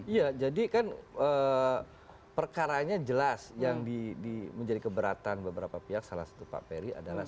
iya jadi kan perkaranya jelas yang menjadi keberatan beberapa pihak salah satu pak peri adalah